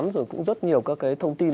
rồi cũng rất nhiều các cái thông tin